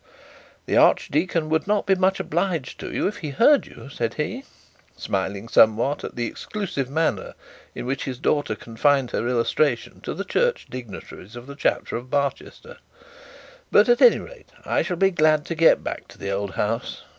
'The archdeacon would not be much obliged to you if he heard you,' said he, smiling somewhat at the exclusive manner in which his daughter confined her illustration to the church dignitaries of the chapter of Barchester; 'but at any rate, I shall be glad to get back to the old house.